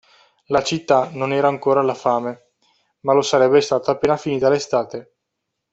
La città non era ancora alla fame, ma lo sarebbe stata appena finita l’estate